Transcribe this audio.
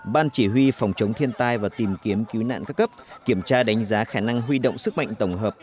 ban chỉ huy phòng chống thiên tai và tìm kiếm cứu nạn các cấp kiểm tra đánh giá khả năng huy động sức mạnh tổng hợp